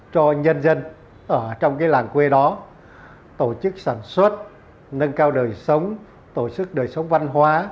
cho nhân dân ở trong cái làng quê đó tổ chức sản xuất nâng cao đời sống tổ chức đời sống văn hóa